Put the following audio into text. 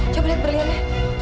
coba liat berliannya